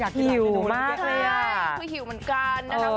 ใช่คือหิวเหมือนกัน